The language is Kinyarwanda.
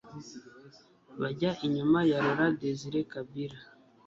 bajya inyuma ya Laurent Désire Kabila